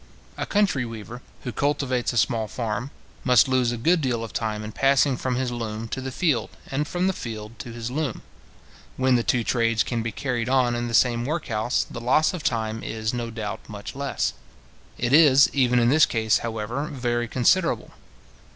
A country weaver, who cultivates a small farm, must lose a good deal of time in passing from his loom to the field, and from the field to his loom. When the two trades can be carried on in the same workhouse, the loss of time is, no doubt, much less. It is, even in this case, however, very considerable.